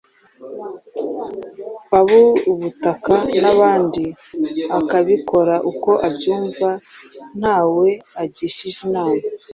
ab’ubutaka n’abandi, akabikora uko abyumva ntawe agishije inama.